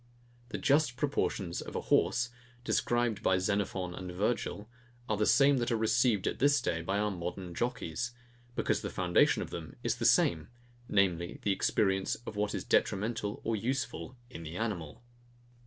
The just proportions of a horse, described by Xenophon and Virgil, are the same that are received at this day by our modern jockeys; because the foundation of them is the same, namely, experience of what is detrimental or useful in the animal.